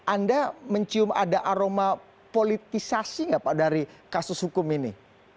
anda mencium ada aroma politisasi nggak pak dari kasus hukum ini